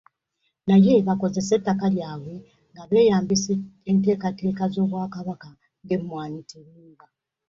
Naye bakozese ettaka lyabwe nga beeyambisa enteekateeka z'Obwakabaka ng'Emmwanyi Terimba.